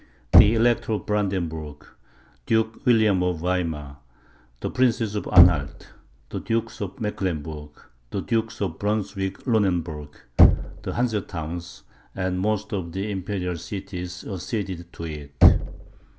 The Elector of Brandenburg, Duke William of Weimar, the princes of Anhalt, the dukes of Mecklenburg, the dukes of Brunswick Lunenburg, the Hanse towns, and most of the imperial cities, acceded to it.